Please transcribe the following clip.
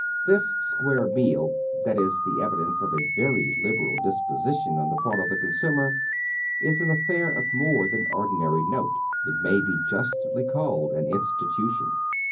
This square meal, that is tlie evidence of a very libera! disposition on the part of the consumer, is an affair of more tlian ordinary note; it may be justly called an institution.